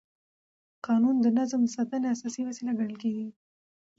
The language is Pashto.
قانون د نظم د ساتنې اساسي وسیله ګڼل کېږي.